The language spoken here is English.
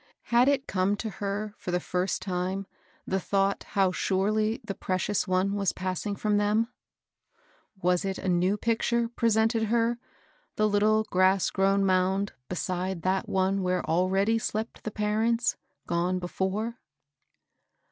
Had it come to hex ibt^the first time the thought MR. PINCH AND COMPANY. 869 how surely the precious one was passing from them ? Was it a new picture presented her, the little grass grown mound beside that one where already slept the parents " gone before